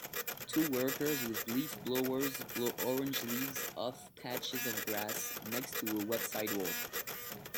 Two workers with leaf blowers blow orange leaves off patches of grass next to a wet sidewalk